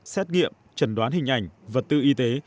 xét nghiệm trần đoán hình ảnh vật tư y tế